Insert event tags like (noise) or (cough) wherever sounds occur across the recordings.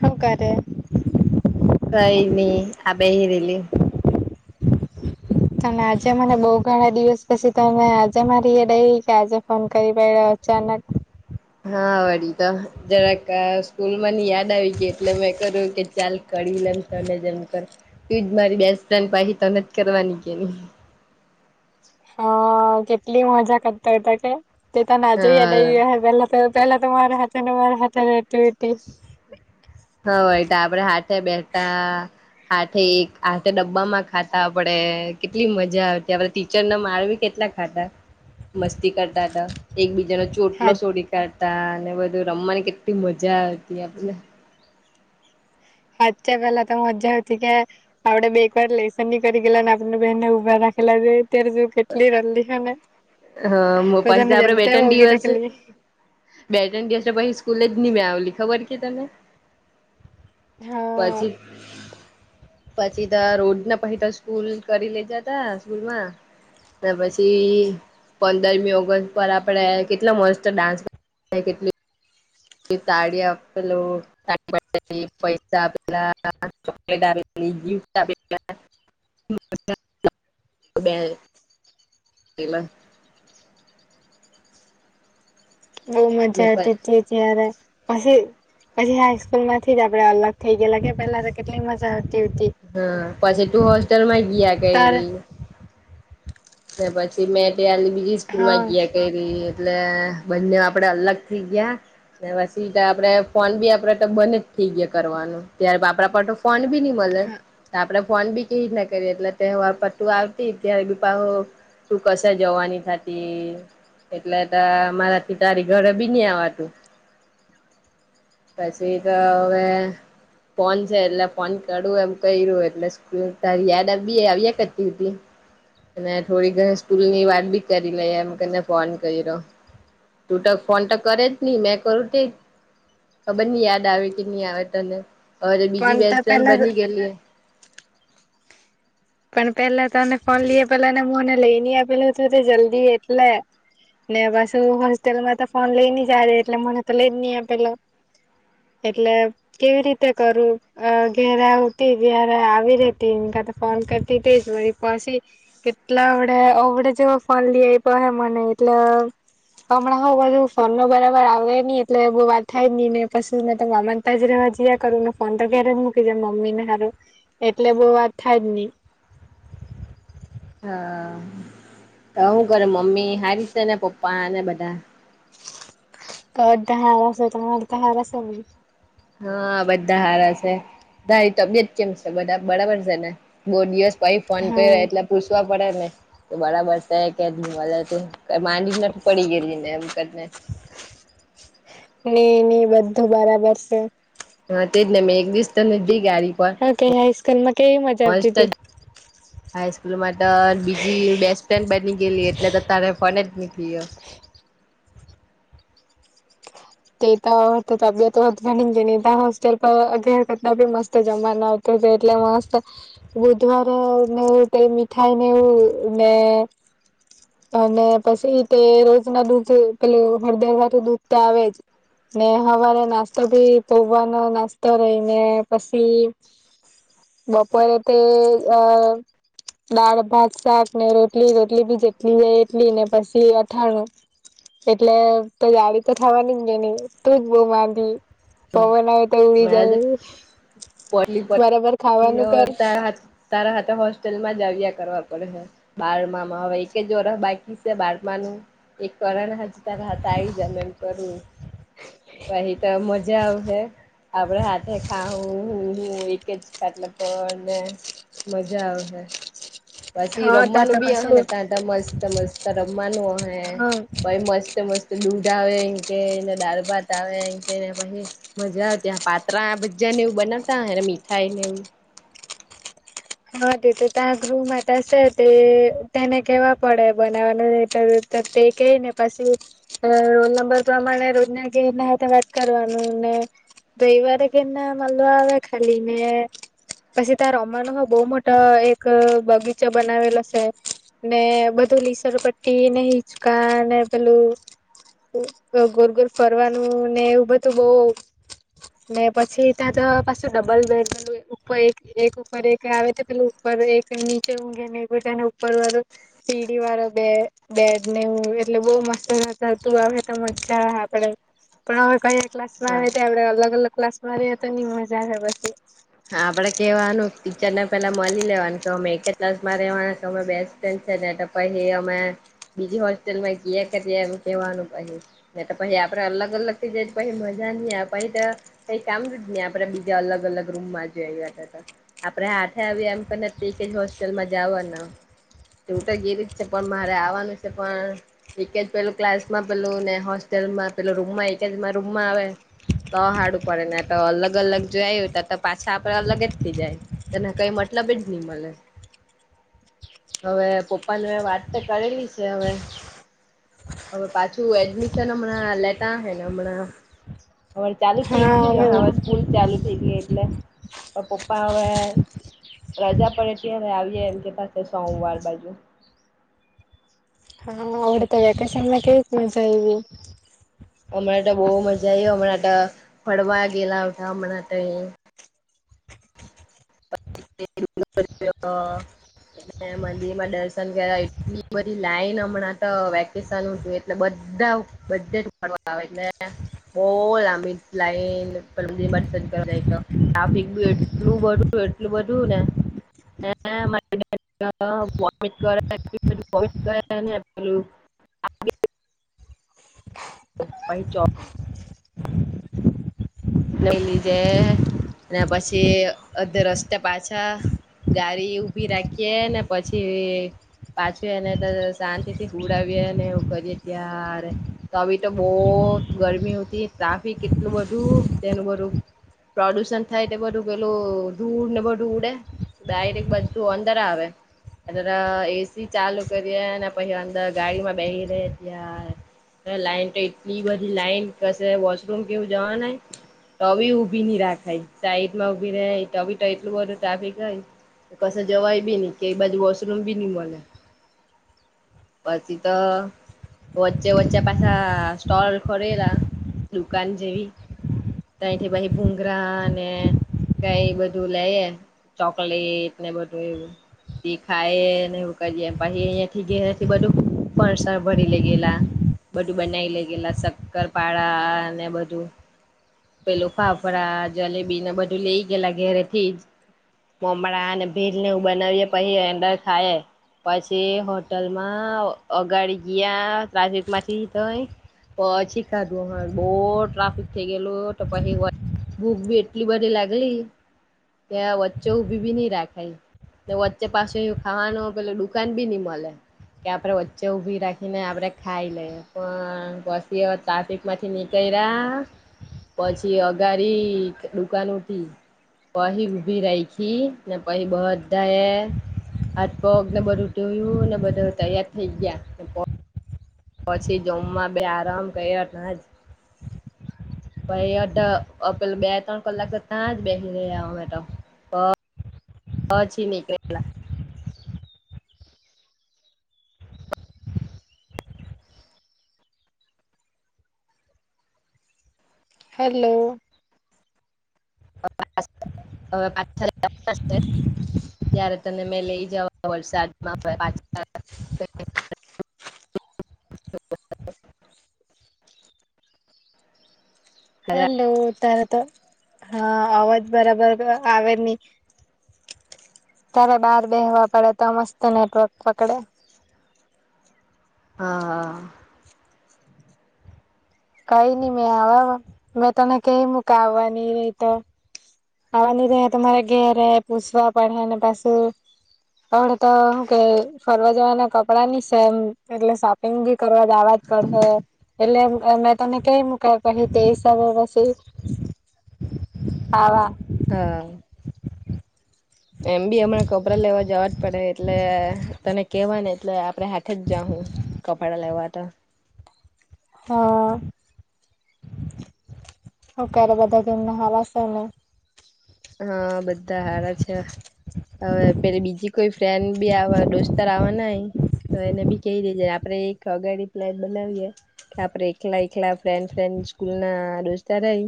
હુ કરે? કઈ નહી આ બેહી રેલી. તમે આજે મને બઉ ઘણા દિવસ પછી તો આજે મારી એ દઈ કે આજે ફોન કરી પ્યો. અચાનક. હા વળી તો જરાક સ્કૂલમાં ની યાદ આવી ગઈ એટલે મેં કર્યું કે ચાલ કરી લેમ તને જેમ કર તુજ મારી બેસ્ટ ફ્રેડ પાછ તને જ કરવાની કે ની. હા કેટલી મજા કરતા હોતા કે તે તને આજે હા યાદ આવી પેલા તો પેલા તો મારા હાથે ને મારા હાથે રેતી વતી. હા એટ આપડે હાથે બેતા હાથે એક હથે ડબ્બામાં ખાતા આપડે કેટલી મજા આવતી આપડ ટીચરને મારવી કે ખાધા મસ્તી કરતા હતા એક બીજા ન ચોટલો સોડી કાઢ તા અને બધું રમવાની કેટલી મજા આવતી આપડે ને. સાચ્ચા પેલા તો મજા આવતી કે આપડે બે એક વાર લેસન ની કરી ગેલા ને આપ બહેન ને ઉભા રા ખેલા જ ત્યારે જો કેટલી રમલી છે ને. હા પછી બધાને આપડે જેમ બે તેમ તણ ઓગી દિવસ રાખેલી બે ત્રણ દિવસ પછી સ્કૂલે જ નહીં મેં આવલી ખબર કે તને? હા પછી પછી તો રોજ ના પછ તો સ્કૂલ કરી લેજા તા સ્કૂલ માં અને પછી પંદરમી ઓગસ્ટ પર આપડે કેટલો મસ્ત ડાન્સ હ કેટલી તાડી હપલ (inaudible) પૈસા આપલા, ચોકલેટ આપલી. (inaudible) કેલા. બહ મજા આતી તી ત્યારે. પછી પછી હાઈસ્કૂલ માંથી જ આપડે અલગ થઇ ગયેલા કે પેલા તો કેટલી મજા હત. હા પછી તું હોસ્ટેલ માં ગયા તાર કયરી. પછી મેં તની બીજી સ્કૂલ માં હા ગયા કરી એટલે બંને આપડે અલગ થઈ ગયા પછી એ આપડે ફોન બી આપડે તો બને જ થઈ ગયા કરવાનું તાર બાપડા પટો ફોન બી નહી મળે હા આપડે ફોન બી કે રીત ના કરી એટલે તો વાર પટ્ટુ આવતી ત્યારે બીપ તું કશે જવાની થતી. એટલે તો મારાથી તારી ઘરે બી ન આવા તું. પછી તો હવે ફોન છે એટલે ફોન કરું એમ કર્યું એટલે તા યાદ આવી આવ્યા કરતી હતી. અને થોડી ઘર સ્કૂલ ની વાત બી કરી લઈ એમ કરને ફોન કર્યો. તું તો ફોન તો કરે જ નહી મેં કરું તે ખબર ની યાદ આવે કે નહી આવે તને હ પણ બીજી તો બેસ્ટફ્રેન્ પેલા બની ગયલી. પણ પેલા તોને ફોન લઈએ પેલા ને હુંને લઈ આપેલું તું તે જલ્દી એટલે. ને પાસું હોસ્ટેલમાં તો ફોન લઈ ની જા એટલે મને તો લે જ નહ આપેલો. એટલે કેવી રીતે કરું ઘેર આવતી ત્યારે આવી રેતી એ કાતો ફોન કરતી તી પછી કેટલા આવડે ઓવડે જેવો ફોન લે આપો મને (unintelligible) હમણાં હઉ બધું ફોન બરાબર આવડે ની એટલે બહુ વાત થાય ની ને પછી તો મામાન તા જ રે મજયા કરું ફોન તો ઘરે જ મૂકી જામ મમ્મી ને હારું એટલે બહ વાત થાયની. હા તો હું કર મમ્મી હારી સે ને પપ્પા અને બધા? બધા હારા સે તમાર તા હારા સે ને? હા, બધા હારા છે. તારી તબિયત કેમ છે, બધા બરાબર છેને, બહુ દિવસ પઈ ફોન કર્યો, એટલે હા પૂછવા પડે ને તો બરાબર છે, કે ઈ માંડી નથી, પડી ગયેલીને એમ કરીને નઈ, નઈ બધું બરાબર છે. હા, તે જ ને મે એક દિવસ તને ગાડી પર હ, ક હાઈસ્કૂલમાં કેવી મજા, આવતી મસ્ત હતીી હાઈસ્કૂલમાં બીજી બેસ્ટ ફ્રેન્ડ બની ગયલી, એટલે તો ત ફ જ નીકળી તે તો તો તબિયત વધવાની છે, હોસ્ટેલ પર અગ કરતા બી મસ્ત જમા નત એટલે મસ્ત બુધવારેવું ક મીઠાઈ, ને એવું ને અને પછી, તે રોજ ના દૂધ પે હળદમાંથી દૂધ, તો આવે જ ને હવારે નાસ્તો થી, પૌવાનો નાસ્તો રહીને પછી બપોરે, તે અ દાળ ભાત શાક ને રોટલી, રોટલી બી જેટલી જાય, એટલી ને પછી અથાણું એટલે, તો જાડી, તો થવાની ગ નઈ, ટૂક બહુ માંંધી પવન આવે ઉ, ઉરી જાઉ પડલી, પ યો તારા હાથે, હોસ્ટેલમા જ આવ્યા કરવા પડેશે બારમામાં હવે, એક જ ઓરફ બાકી છે, બારમાનું એક વરણ હજ, ત ત આવી, જમે એમ કરું પહી, તો મજા આવે હે આપડે હાથે, ખા હું, એક જ ખટલે પણ ને મજા આવશે. પછી હા તા રમવાનું તો બી હ પાછું ને, ત્યા મસ્ત મસ્ત રમવાનું હ. હા પછ મસ્ત, મસ્ત દૂઢ આવે. કેને દાળ ભાત આવે કેને પહી, મજા આવે ત્યાં પાત્રા ભજા ને એવું બનાવતા મીઠાઈ, નેવું હા, તે તો ત્યાં ગૃહ, માત સે તે તેને કેવા પડે બનાવવાનું રેય ત ત તે કહીને પછી, અ રોલ નંબર પ્રમાણે રોજના કે ના વાત કરવાનું તો એ વારે કે ના માલવા આવે ખાલી, ને પછી તા રમાનુ હો બો મોટા એક બગીચો, બનાવેલા સે ને બધું લીસણ પટ્ટીને હિચકા, ને પેલું અ ગોર, ગોર ફરવાનું ને એવ બધું, બો ને પછી, ત્યાં તો પાછું ડબલ બેડું, ઉપર એક ઉપર એક આવે તે પેલુ ઉપર એક નીચે, ઊંઘે ને તેને ઉપર વાળો સીડી વાળો બે બેદ નેવુ એટલે બઉ મસ્ત થતા, તું હ તો મજા આપડે પણ હવે ક ક્લાસમા હા આવે, ત આપણે અલગ અલગ ક્લાસમાં રેએ, તો ની મજા આવે પછી હા, આપડે કેવાનું ટીચરને પેલા મલી લેવાનું, કે અમે એક જ ક્લાસમા રહેવાના, તો અમે બેસ્ટ ફ્રેન્ડ છે એ તપહી, અમે બીજી, હોસ્ટેલમાં ગીયા કરીએ એમ કેવાનું પહી ને પહી આપડે અલગ અલગ થઈ, જાય પછી મજા ની આવે નહીં, ત કામ જ આપણે બીજા અલગ અલગ રૂમમાં જઈ આતમે આપડે હાથે, આવી એમ પણ કે હોસ્ટેલમાં જાવાના તું તો ગીરી જ છે, પણ મારે આવવાનું છે, પણ એક જ પેલું ક્લાસમાં પેલું ને હોસ્ટે ટેલમા‌ પેલા રૂમમાં, એક રૂમમાં આવે તો હાડું પડે ને તો અલગ અલગ જઇયે, તો તો પાછા અલગ જ થઈ જાય, તને કઈ મતલબ જ ની મલે હવે, પપ્પાને મે વાત તો કરેલી છે, હવે હવે, પાછું એડમિશન હમણાં લેતા અહે, ને હમણાં હવે ચાલુ થઈ ગયું, જ હવે સ્કૂલ ચાલુ થઈ ગઈ, એટલે પપ્પા હવે પ્રજા પણ અત્યારે આવીએે, એમ કે પાસે સોમવાર બાજુ અવડે, તો વેક્શનમાં કેવીક મજા આયવી હમણાં તો બોવ મજા આઈ હમણાંટ ફડવા ગેલા હોતા હમણાં તે (inaudible) અ ને મંદિરમાં દર્શન કરવા એટલી બધી લાઈન હમણાં તો વેકેશન હોતું એટલે બધ ધા બધેથી આવેને બો લાંબી લાઈન (unintelligible) જાઈ તો ટાફિક બી એટલું બધું એટલું બધું ને ને (inaudible) (inaudible) પઈચો લઈ લીજે ને પછી અધે રસ્તે પાછા ગારી ઉભી રાખીએે ને પછી પાછું એને તો શાંતિથી હુવડાવીયે‌ને એવું કરીએ ત્યારે તો બી તો બોવ ગરમી હોતી ટ્રાફિક એટલું બધું તેનું બધું પ્રદુષણ થાય ટે બધું પેલું ધૂળને બધું ઉડે. ડાયરેક બધું અંદર આવે. અંદર એસી ચાલુ કરીએ ને પહી અંદર ગાડીમાં બેહી રે ત્યાં અને લાઈન તો એટલી બધી લાઈન કશે વોશરૂમ કેવું જવાના તોબી ઉભી ની રાખય સાઈડમાં ઉભી રેય તો બી તો એટલું બધું ટ્રાફિક હોય કે કશે જવાય બી ની કે એ બાજુ વોશરૂમ બી ની મલે. પછી ત વચ્ચે વચ્ચે પાછા સ્ટોલ ખોલેલા દુકાન જેવી તયથી પહી ભુંંગરાને કઈ બધું લેએ. ચોકલેટને બધું એવુ તે ખાય ને એવું કરીએ પહી અહીંયાથી ઘેરેથી બધું પણસા ભરી લેગેલા. બધું બનાવી લઈ ગયેલા શક્કરપાળા અને બધું પેલું ફાફડા જલેબીને બધું લઈ ગયેલા ઘેરેથી જ. મમડાને ભેલને એવું બનાવીએ પહી અંદર ખાઈએ. પછી હોટલમાં અગાડી ગીયા ટ્રાફિકમાંથી તય પછી ખાધું અમે બોવ ટ્રાફિક થઈ ગેલુ. તો પછી વચ ભૂક બી એટલી બધી લાગલી ત્યાં વચ્ચે ઊભી બી ની રાખે ઈ. ને વચ્ચે પાછું એવું ખાવાનું પેલુ દુકાન બી ની મલે. કે આપડે વચ્ચે ઉભી રાખીને આપડે ખાઈ લઈએ પણ પછી હવે ટ્રાફિકમાંથી નીકળ્યા કર્યા પછી અગારી દુકાનોથી પહી ઉભી રાઈખી ને પહી બધાંએ હાથ પગ ને બધું ધોયુંને બધાં તૈયાર થઈ ગયા પછી જમવા બેહારો ને કઈ વાર ઘણા જ પહી અઢ અ પેલું બે ત્રણ કલાક તો તાજ બેહી રહ્યા અમે તો. અ પછી નીકળેલા. હેલો (inaudible) ત્યારે તને મેં લઈ જાવા વરસાદમાં પાછ (inaudible) (inaudible) પાછા હલો તાર તો હા અવાજ બરાબર આવે જ ની તારે બાર બેહવા પડે તા મસ્ત નેટવર્ક પકડે. હહ હહ કઈ નઈ મેં આવાવા મેં તને કઈ મુકા આવવાની રહી તો આવવાની રે તો મારા ઘેરે પૂછવા પડે હે ને પાસુ તડ તો હું કે ફરવા જવાના કપડાંની સેમ એટલે શોપિંગ ભી કરવા જાવા ની પણ હે એટલે મેં મેં તને કઈ મુકા પહી તે હિસાબે પસી હાવા હા. એમ બી હમણાં કબરા લેવા જવા જ પડે એટલે તને કેવા ને એટલે આપણે હાથે જ જા હું કપડા લેવાતા (inaudible) હ ક્યારે બધા કે એમના હવાસને હા બધા સારા છે. હવે પે બીજી કોઈ ફ્રેન્ડ બી આવે દોસ્તાર આવવા નાય તો એને બી કહી દેજે આપડે એક અગાડી પ્લેટ બનાવીયએ કે આપડે એકલા એકલા ફ્રેન્ડ ફ્રેન્ડ સ્કૂલ ના રોસ્તા રહી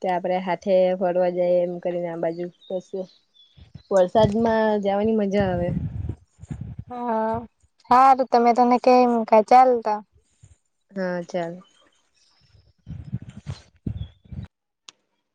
ત આપે હાથે ફરવા જાય એ કરીને આ બાજુ બસ વરસાદમાં જવાની મજા આવે હા હાર તમે તને કેમ ચાલતા. હા ચાલ.